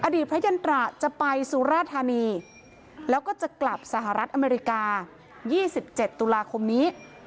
พระยันตราจะไปสุราธานีแล้วก็จะกลับสหรัฐอเมริกา๒๗ตุลาคมนี้